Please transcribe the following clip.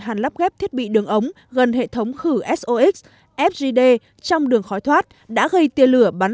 hàn lắp ghép thiết bị đường ống gần hệ thống khử sox fgd trong đường khói thoát đã gây tia lửa bắn